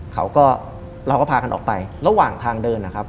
เขาก็เราก็พากันออกไประหว่างทางเดินนะครับ